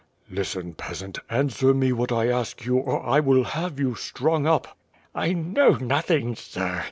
"Listen, peasant, answer me what I ask you, or I will have you strung up." "I know nothing, sir.